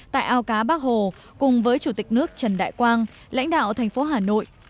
tại ao cá bác hồ cùng với chủ tịch nước trần đại quang lãnh đạo thành phố hà nội